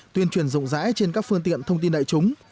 tuyên truyền rộng rãi trên các phương tiện thông tin đại chúng